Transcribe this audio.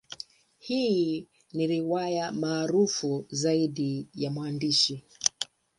Hii ni riwaya maarufu zaidi ya mwandishi.